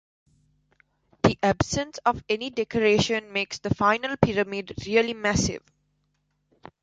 The absence of any decoration makes the final pyramid really massive.